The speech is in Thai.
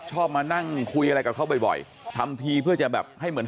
มานั่งคุยอะไรกับเขาบ่อยทำทีเพื่อจะแบบให้เหมือน